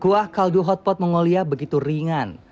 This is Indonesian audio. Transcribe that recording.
kuah kaldu hotpot mongolia begitu ringan